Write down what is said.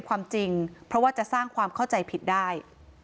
ความจริงเพราะว่าจะสร้างความเข้าใจผิดได้